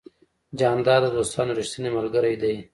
جانداد د دوستانو ریښتینی ملګری دی.